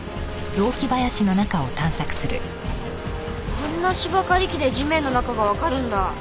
あんな芝刈り機で地面の中がわかるんだ。